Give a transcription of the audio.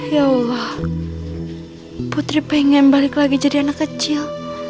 ya allah putri pengen balik lagi jadi anak kecil